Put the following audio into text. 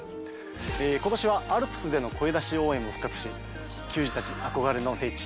今年はアルプスでの声出し応援も復活し球児たち憧れの聖地